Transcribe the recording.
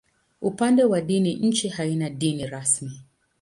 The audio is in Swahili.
Upande wa dini, nchi haina dini rasmi.